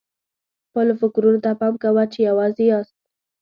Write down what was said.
خپلو فکرونو ته پام کوه چې یوازې یاست.